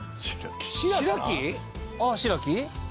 あぁしらき？